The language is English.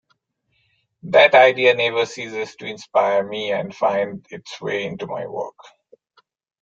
That idea never ceases to inspire me and find it's way into my work.